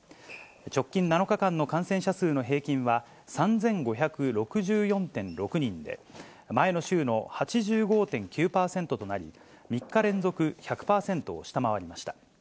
直近７日間の感染者数の平均は３５６４．６人で、前の週の８５．９％となり、３日連続、１００％を下回りました。